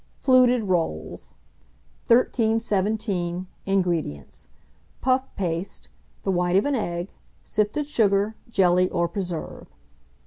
FLUTED ROLLS. 1317. INGREDIENTS. Puff paste, the white of an egg, sifted sugar, jelly or preserve.